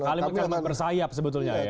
kalimatnya akan bersayap sebetulnya ya